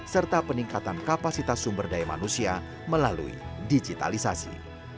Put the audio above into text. serta peningkatan kapasitas sumber daya manusia melalui digitalisasi